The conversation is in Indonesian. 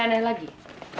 yang bekerja ongkoh